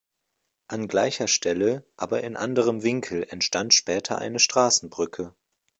An gleicher Stelle, aber in anderem Winkel entstand später eine Straßenbrücke.